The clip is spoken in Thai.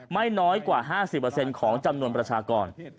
ไม่น้อยกว่า๕๐ของจำนวนประชากร